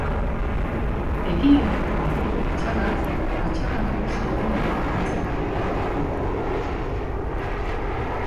Ekialdeko alboko fatxadak fatxada nagusiaren eraikuntza-kalitatea du.